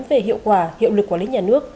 về hiệu quả hiệu lực quản lý nhà nước